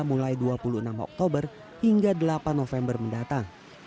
mulai dua puluh enam oktober hingga delapan november mendatang